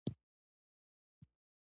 دا ناول د پښتنو د عظمت کیسه ده.